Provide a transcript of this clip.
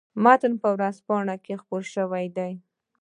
متن په ورځپاڼه کې خپور شوی دی.